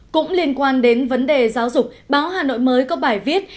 cũng liên quan đến vấn đề giáo dục báo hà nội mới có bài viết